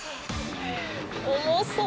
重そう。